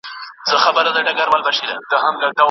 شاګرد څېړونکی باید مسلسل کار وکړي.